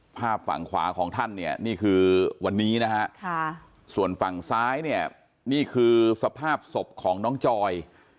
ภาพฝั่งขวาของท่านนี่คือวันนี้ส่วนฝั่งซ้ายนี่คือสภาพศพของน้องจอย